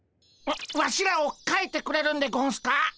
ワワシらをかいてくれるんでゴンスか？